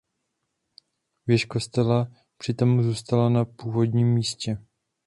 Věž kostela při tom zůstala na původním místě.